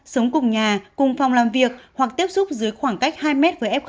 sống cùng nhà cùng phòng làm việc hoặc tiếp xúc dưới khoảng cách hai m với f hai